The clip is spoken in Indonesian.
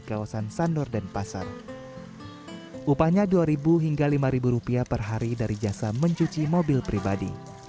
kawasan sandor dan pasar upahnya dua ribu hingga lima rupiah per hari dari jasa mencuci mobil pribadi